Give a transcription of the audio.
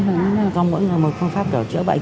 mỗi người một phương pháp đỡ chữa bệnh